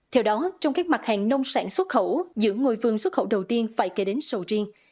theo đó trong các mặt hàng nông sản xuất khẩu giữa ngôi vườn xuất khẩu đầu tiên phải kể đến sầu riêng